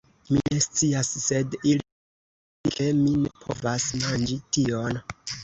Mi ne scias sed ili ne scias, ke mi ne povas manĝi tion